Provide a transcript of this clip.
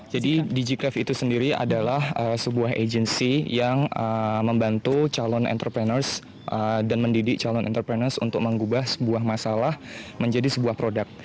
jadi digicraft itu sendiri adalah sebuah agensi yang membantu calon entrepreneurs dan mendidik calon entrepreneurs untuk mengubah sebuah masalah menjadi sebuah produk